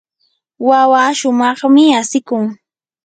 wawaa shumaqmi asikun.